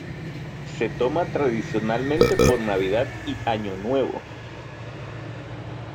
Se toma tradicionalmente por Navidad y Año Nuevo.